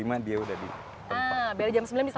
ah berarti jam sembilan bisa langsung mulai gitu